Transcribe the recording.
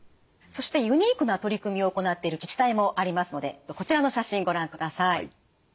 そしてユニークな取り組みを行っている自治体もありますのでこちらの写真ご覧ください。